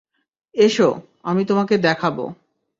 এসো, আমি তোমাকে দেখাব।